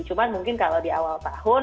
cuma mungkin kalau di awal tahun